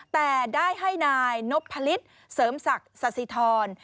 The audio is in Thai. แต่ได้ให้นายนพลิศเสริมศักดิ์สสิทร